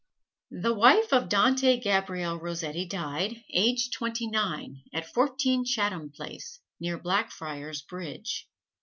The wife of Dante Gabriel Rossetti died, aged twenty nine, at Fourteen Chatham Place, near Blackfriars Bridge.